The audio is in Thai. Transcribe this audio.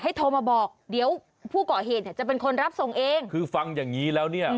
โทรมาบอกเดี๋ยวผู้ก่อเหตุเนี่ยจะเป็นคนรับส่งเองคือฟังอย่างงี้แล้วเนี่ย